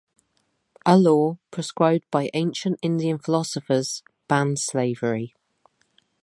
A law, prescribed by ancient Indian philosophers, bans slavery.